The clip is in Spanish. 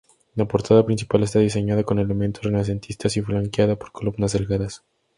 La portada principal está diseñada con elementos renacentistas y flanqueada por columnas delgadas.